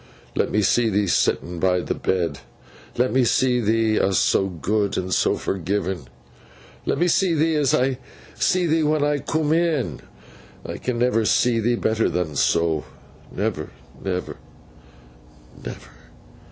Let me see thee setten by the bed. Let me see thee, a' so good, and so forgiving. Let me see thee as I see thee when I coom in. I can never see thee better than so. Never, never, never!